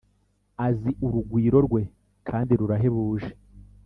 azi. urugwiro rwe kandi rurahebuje.